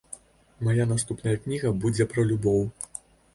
Мая наступная кніга будзе пра любоў.